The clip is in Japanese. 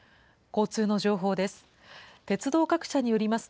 交通の情報です。